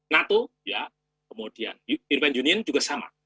nato kemudian irven union juga sama